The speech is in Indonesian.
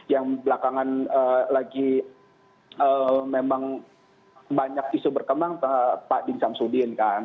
yang belakangan lagi memang banyak isu berkembang pak din samsudin kan